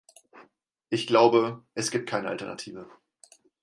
Ich glaube, es gibt keine Alternative.